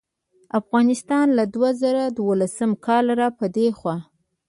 افغانستان له دوه زره دولسم کال راپه دې خوا